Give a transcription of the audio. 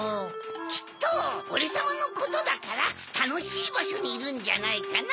きっとおれさまのことだからたのしいばしょにいるんじゃないかな。